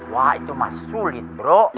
wah itu masih sulit bro